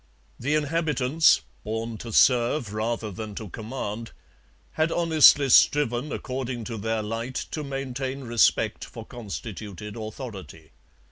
The inhabitants, born to serve rather than to command, had honestly striven according to their light to maintain respect for constituted authority.